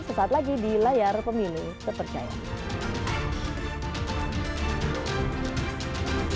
sesaat lagi di layar pemilu terpercaya